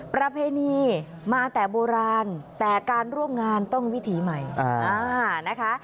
ประเพณีมาแต่โบราณแต่การร่วมงานต้องวิถีใหม่นะคะ